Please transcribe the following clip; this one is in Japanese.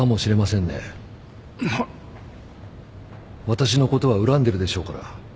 私のことは恨んでるでしょうから。